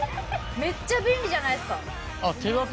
めっちゃ便利じゃないですか。